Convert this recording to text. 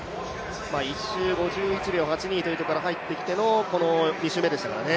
１周５１秒８２から入ってきてのこの２周目でしたからね。